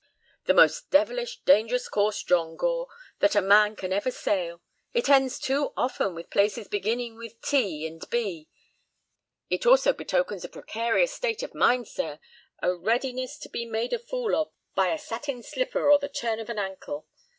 "The most devilish, dangerous course, John Gore, that a man can ever sail; it ends too often with places beginning with T and B. It also betokens a precarious state of mind, sir—a readiness to be made a fool of by a satin slipper or the turn of an ankle.